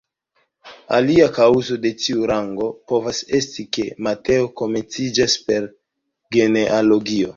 Alia kaŭzo de tiu rango povas esti, ke Mateo komenciĝas per genealogio.